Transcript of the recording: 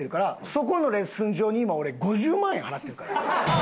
そこのレッスン場に今俺５０万円払ってるから。